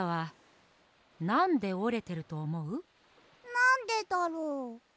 なんでだろう？